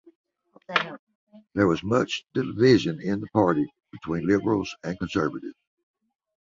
There was much division in the party, between liberals and conservatives.